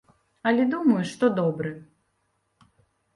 Але думаю, што добры.